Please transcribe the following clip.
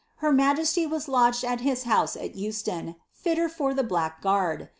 Her majesty was lodged at his house at Euston — fitter for ihe black guard.'